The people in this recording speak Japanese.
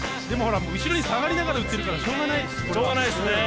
でもほら、後ろに下がりながら打ってるからしようがない。